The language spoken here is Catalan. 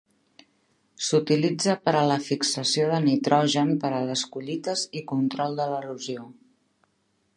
S'utilitza per a la fixació del nitrogen per a les collites i control de l'erosió.